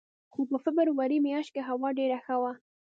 خو په فبروري میاشت کې هوا ډېره ښه وه.